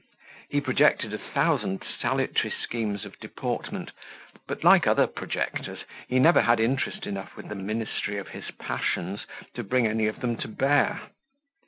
He projected a thousand salutary schemes of deportment, but, like other projectors, he never had interest enough with the ministry of his passions to bring any of them to bear.